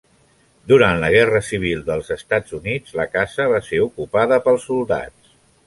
Durant la Guerra Civil dels Estats Units, la casa va ser ocupada pels soldats.